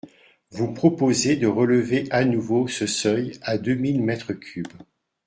Vous proposez de relever à nouveau ce seuil à deux mille mètres cubes.